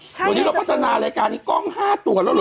วันนี้เราพัฒนารายการนี้กล้อง๕ตัวแล้วเหรอ